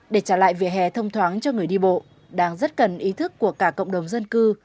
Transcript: để trả lại vỉa hè thông thoáng cho người đi bộ đang rất cần ý thức của cả cộng đồng dân cư